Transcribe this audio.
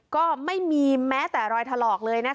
ก็ไม่มีแม้แต่รอยถลอกเลยนะคะ